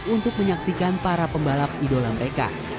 untuk menyaksikan para pembalap idola mereka